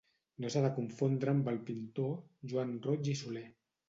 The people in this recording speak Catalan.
No s'ha de confondre amb el pintor Joan Roig i Soler.